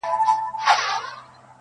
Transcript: سمدستي یې کړه ور ږغ چي انډیواله٫